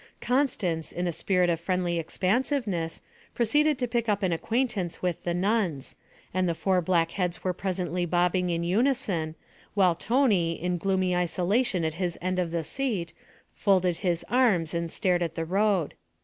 Constance, in a spirit of friendly expansiveness, proceeded to pick up an acquaintance with the nuns, and the four black heads were presently bobbing in unison, while Tony, in gloomy isolation at his end of the seat, folded his arms and stared at the road.